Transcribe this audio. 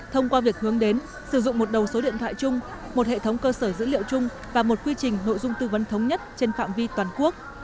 thông qua việc hướng đến sử dụng một đầu số điện thoại chung một hệ thống cơ sở dữ liệu chung và một quy trình nội dung tư vấn thống nhất trên phạm vi toàn quốc